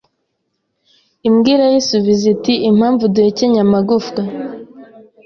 Imbwa irayisubiza iti impamvu duhekenya amagufwa